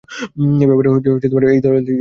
এ ব্যাপারে এ দলীলটিই যথেষ্ট।